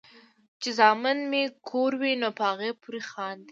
چې زامن مې کور وي نو پۀ هغې پورې خاندي ـ